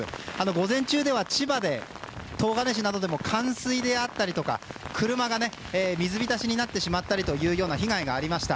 午前中は千葉の東金市などで冠水であったり車が水浸しになったりという被害がありました。